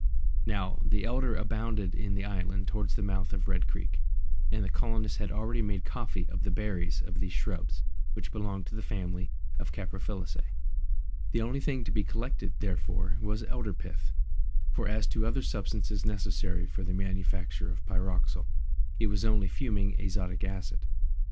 Now, the elder abounded in the island towards the mouth of Red Creek, and the colonists had already made coffee of the berries of these shrubs, which belong to the family of the caprifoliaceæ. [Illustration: THE SETTLERS' NEW SHIRTS] The only thing to be collected, therefore, was elder pith, for as to the other substance necessary for the manufacture of pyroxyle, it was only fuming azotic acid.